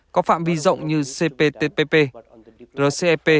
có phạm vi rộng như cptpp rcfp